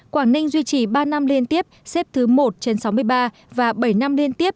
quảng ninh duy trì ba năm liên tiếp xếp thứ một trên sáu mươi ba và bảy năm liên tiếp